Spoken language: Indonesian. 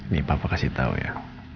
nih papa kasih tau ya